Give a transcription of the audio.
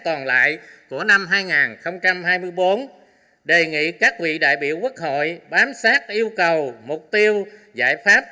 còn lại của năm hai nghìn hai mươi bốn đề nghị các vị đại biểu quốc hội bám sát yêu cầu mục tiêu giải pháp